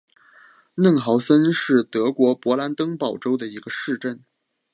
嫩豪森是德国勃兰登堡州的一个市镇。